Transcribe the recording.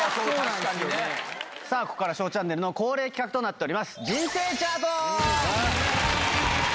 ここから『ＳＨＯＷチャンネル』の恒例企画となっております。